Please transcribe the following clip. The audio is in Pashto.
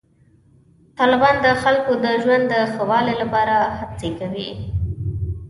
طالبان د خلکو د ژوند د ښه والي لپاره هڅې کوي.